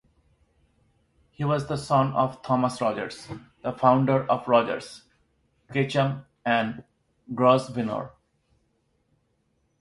He was the son of Thomas Rogers, the founder of Rogers, Ketchum and Grosvenor.